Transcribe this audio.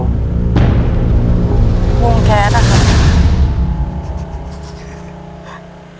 วงแคชนะครับ